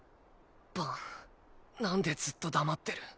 バンなんでずっと黙ってる？